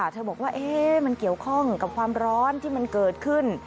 เธอบอกว่ามันเกี่ยวข้องกับความร้อนที่มันเกิดขึ้น